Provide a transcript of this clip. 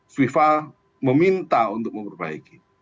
fifa meminta untuk memperbaiki